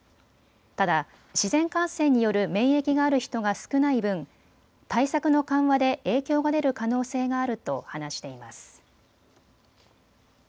ただ自然感染による免疫がある人が少ない分、対策の緩和で影響が出る可能性があると話しています。